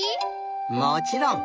もちろん。